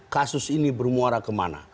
kasus ini bermuara kemana